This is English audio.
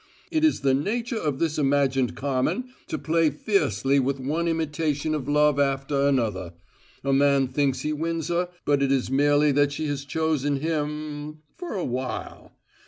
It is the nature of this imagined Carmen to play fiercely with one imitation of love after another: a man thinks he wins her, but it is merely that she has chosen him for a while.